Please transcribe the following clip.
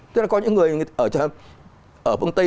tức là có những người ở phương tây